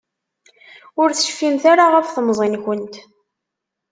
Ur tecfimt ara ɣef temẓi-nkent.